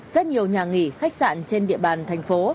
rất nhiều nhà nghỉ khách sạn trên địa bàn thành phố